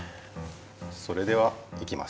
それではいきます。